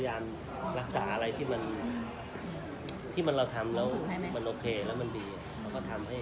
ยังไม่มั่นยังได้เบียบคนอื่นอาจจะมีบางส่วนที่ไม่เข้าใจกับตัวพี่